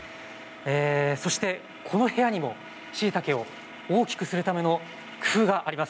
そして、この部屋にもしいたけを大きくするための工夫があります。